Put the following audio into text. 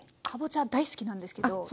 かぼちゃ大好きなんですけど。